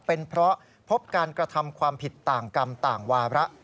เป็นเพราะพบการกระทำความผิดต่างกรรมต่างวาระ